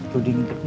tuh dingin keringin